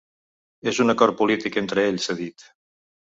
És un acord polític entre ells, ha dit.